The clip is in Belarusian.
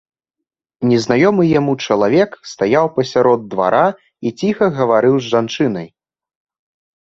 Незнаёмы яму чалавек стаяў пасярод двара і ціха гаварыў з жанчынай.